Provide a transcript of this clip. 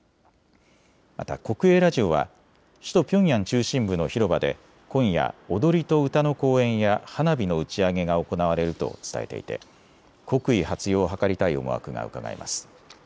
また国営ラジオは首都ピョンヤン中心部の広場で今夜、踊りと歌の公演や花火の打ち上げが行われると伝えていて国威発揚を図りたい思惑がうかがえます。